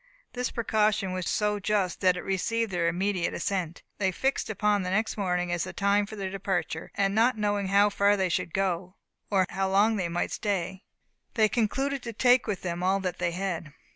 This precaution was so just that it received their immediate assent. They fixed upon the next morning as the time for their departure; and not knowing how far they should go, or how long they might stay, they concluded to take with them all that they had.